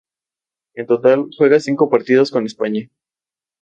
En total, juega cinco partidos con España.